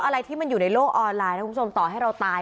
อะไรที่มันอยู่ในโลกออนไลน์นะคุณผู้ชมต่อให้เราตาย